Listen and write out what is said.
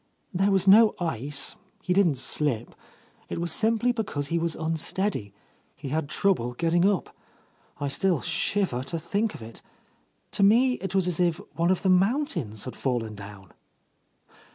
There was no ice, he didn't slip. It was simply because he was un steady. He had trouble getting up. I still shiver to think of it. To me, it was as if one of the mountains had fallen down."